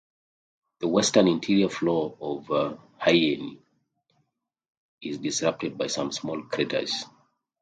The western interior floor of Henyey is disrupted by some small craters.